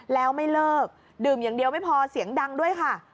แล้วไม่เลิกดื่มอย่างเดียวไม่พอเสียงดังด้วยค่ะ